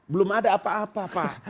belum ada apa apa pak